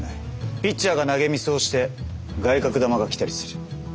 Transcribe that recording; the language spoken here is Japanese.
ピッチャーが投げミスをして外角球が来たりする。